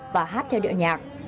và hát theo điệu nhạc